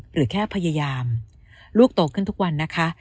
หรือแค่พยายามลูกโตขึ้นทุกวันนะคะ